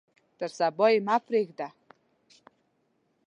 تر صبا یې مه پریږدئ.